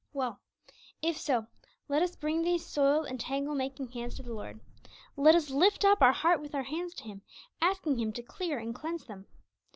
Well, if so, let us bring these soiled and tangle making hands to the Lord, 'Let us lift up our heart with our hands' to Him, asking Him to clear and cleanse them.